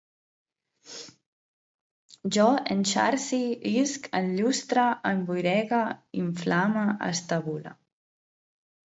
Jo enxarcie, isc, enllustre, emboiregue, inflame, estabule